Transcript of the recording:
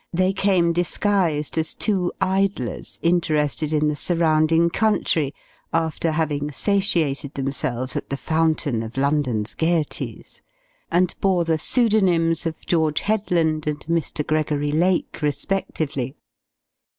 They came disguised as two idlers interested in the surrounding country, after having satiated themselves at the fountain of London's gaieties, and bore the pseudonyms of "George Headland" and "Mr. Gregory Lake" respectively.